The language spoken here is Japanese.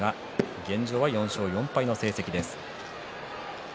現状は４勝４敗の成績です。